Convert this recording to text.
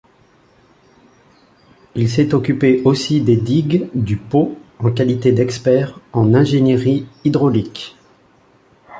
Il s’est occupé aussi des digues du Pô en qualité d’expert en ingénierie hydraulique.